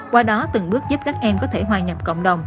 qua đó từng bước giúp các em có thể hòa nhập cộng đồng